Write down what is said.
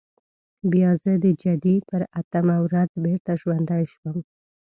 بیا زه د جدي پر اتمه ورځ بېرته ژوندی شوم.